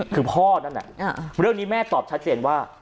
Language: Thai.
คือพ่อนั่นแหละเรื่องนี้แม่ตอบชัดเจนว่า